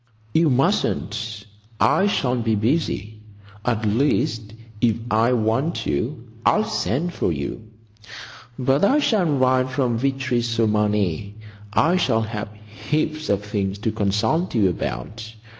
"You mustn't. I shall be busy. At least, if I want you I'll send for you. But I shall write from Vitry sur Marne. I shall have heaps of things to consult you about.